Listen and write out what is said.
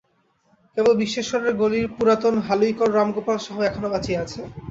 কেবল বিশ্বেশ্বরের গলির পুরাতন হালুইকর রামগোপাল সাহু এখনও বাঁচিয়া আছে।